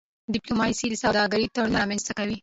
ډيپلوماسي د سوداګرۍ تړونونه رامنځته کوي.